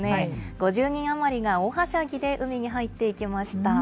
５０人余りが大はしゃぎで海に入っていきました。